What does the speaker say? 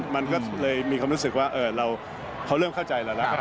มันก็เลยมีความรู้สึกว่าเขาเริ่มเข้าใจเราแล้ว